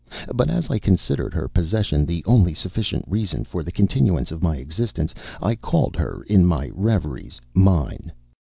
But as I considered her possession the only sufficient reason for the continuance of my existence, I called her, in my reveries, mine.